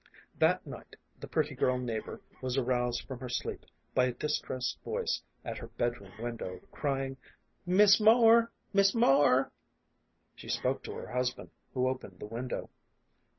That night the pretty girl neighbor was aroused from her first sleep by a distressed voice at her bedroom window, crying, " Miss Moore ! Miss Moore !" She spoke to her husband, who opened the window.